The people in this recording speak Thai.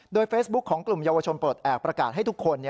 โดยเฟซบุ๊คของกลุ่มเยาวชนปลดแอบประกาศให้ทุกคน